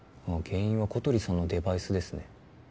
原因は小鳥さんのデバイスですね